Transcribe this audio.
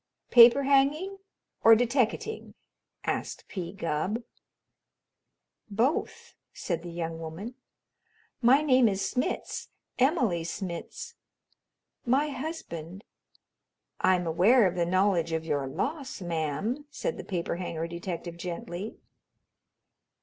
"Paper hanging or deteckating?" asked P. Gubb. "Both," said the young woman. "My name is Smitz Emily Smitz. My husband " "I'm aware of the knowledge of your loss, ma'am," said the paper hanger detective gently.